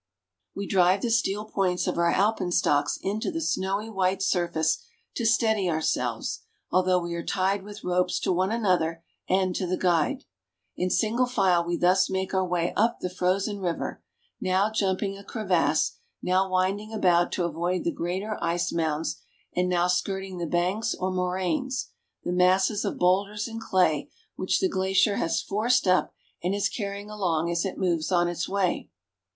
We drive the steei THE ALPS. 257 points of our alpenstocks into the snowy white surface to steady ourselves, although we are tied with ropes to one another and to the guide. In single file we thus make our way up the frozen river, now jumping a crevasse, now winding about to avoid the greater ice mounds, and now skirting the banks or moraines, the masses of boul Mer de Glace. ders and clay which the glacier has forced up and is carry ing along as it moves on its way.